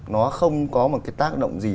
nó không có một cái tác động gì